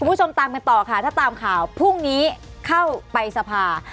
คุณผู้ชมตามกันต่อค่ะถ้าตามข่าวพรุ่งนี้เข้าไปสภา